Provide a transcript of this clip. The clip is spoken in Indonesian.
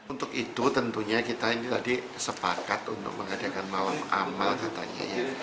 untuk itu tentunya kita ini tadi sepakat untuk mengadakan malam amal katanya ya